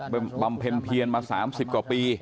บำเพ็ญเพียนมา๓๐กว่าปี